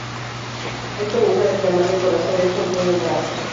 Él comienza a reclamarle por hacer eso en pleno embarazo.